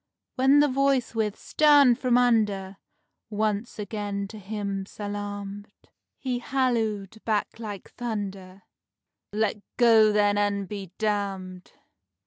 When the Voice with "Stand from under!" once again to him salamed, He hallooed back like thunder: "Let go then and be damned!"